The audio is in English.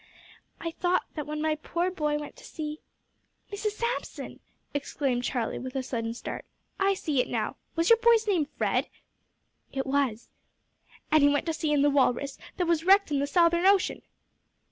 I thought that when my poor boy went to sea " "Mrs Samson!" exclaimed Charlie, with a sudden start, "I see it now! Was your boy's name Fred?" "It was." "And he went to sea in the Walrus, that was wrecked in the Southern Ocean!"